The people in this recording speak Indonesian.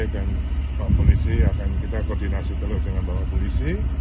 kalau aman kita koordinasi dulu dengan bapak polisi